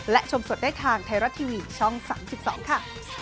และชมสดได้ทางไทยรัฐทีวีช่อง๓๒ค่ะ